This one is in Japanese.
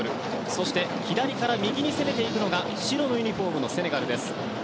そして左から右に攻めていくのが白のユニホームのセネガルです。